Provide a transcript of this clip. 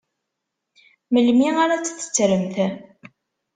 Melmi ara tt-tettremt?